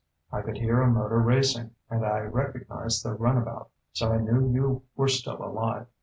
I could hear a motor racing, and I recognized the runabout, so I knew you were still alive.